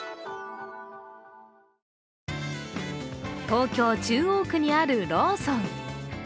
東京・中央区にあるローソン。